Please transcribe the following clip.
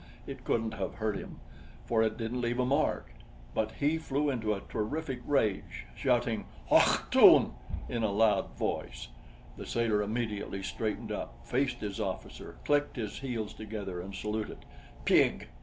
It couldn't have hurt him, for it didn't leave a mark; but he flew into a terrific rage, shouting: "Attention!" in a loud voice. The sailor immediately straightened up, faced his officer, clicked his heels together and saluted. "Pig!"